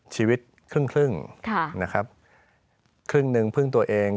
ชีวิตครึ่งนะครับครึ่งหนึ่งพึ่งตัวเอง